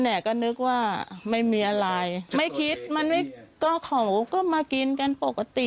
เนี่ยก็นึกว่าไม่มีอะไรไม่คิดมันไม่ก็เขาก็มากินกันปกติ